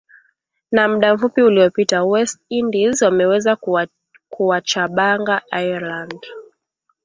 na muda mfupi uliopita west indies wameweza kuwachabanga ireland